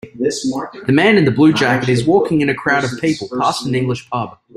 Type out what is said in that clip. The man in the blue jacket is walking in a crowd of people past an English pub.